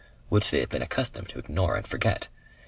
Which they have been accustomed to ignore and forget.